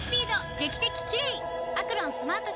劇的キレイ！